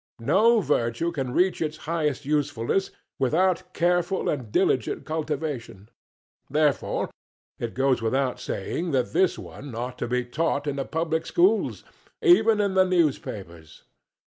No virtue can reach its highest usefulness without careful and diligent cultivation therefore, it goes without saying that this one ought to be taught in the public schools even in the newspapers.